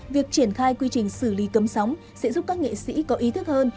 việc triển khai quy trình xử lý cấm sóng sẽ giúp các nghệ sĩ có ý thức hơn